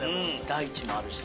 大地もあるし。